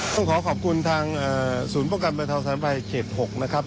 ต้องขอขอบคุณทางสูญประกันประทับศาลภัยเก็บ๖นะครับ